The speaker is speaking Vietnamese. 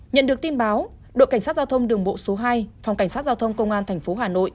nhận được tin báo đội cảnh sát giao thông đường bộ số hai phòng cảnh sát giao thông công an tp hà nội